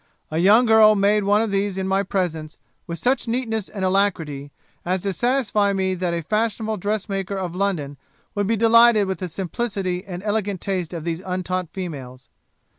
A young girl made one of these in my presence, with such neatness and alacrity, as to satisfy me that a fashionable dressmaker of London would be delighted with the simplicity and elegant taste of these untaught females.'